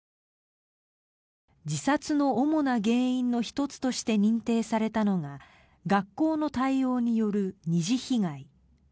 自殺の主な原因の１つとして認定されたのが学校の対応による二次被害。